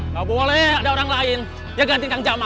gak boleh ada orang lain yang ganti kang jama